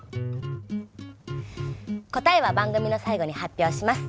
答えは番組の最後に発表します。